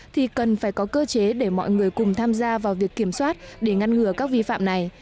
thì cần phải có cơ chế để mọi người cùng tham gia vào việc kiểm soát để ngăn ngừa các vi phạm này